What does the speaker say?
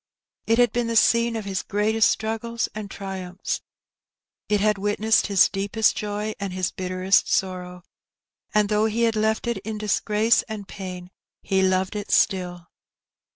It had been the scene of his greatest struggles and triumphs. It had witnessed his deepest joy and his bitterest sorrow, and though he had left it in disgrace and pain, he loved it still.